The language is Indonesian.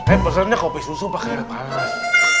eh pesannya kopi susu pakai air panas